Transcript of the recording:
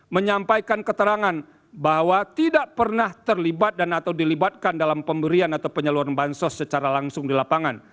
menyampaikan keterangan bahwa tidak pernah terlibat dan atau dilibatkan dalam pemberian atau penyaluran bansos secara langsung di lapangan